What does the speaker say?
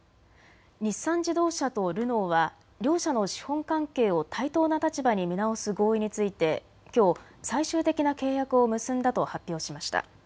日産自動車とルノーは両社の資本関係を対等な立場に見直す合意についてきょう最終的な契約を結んだと発表しました。